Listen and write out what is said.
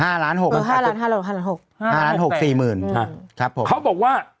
ห้าล้านหกห้าล้านหกห้าล้านหกห้าล้านหกสี่หมื่นครับผมเขาบอกว่า